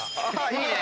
いいね！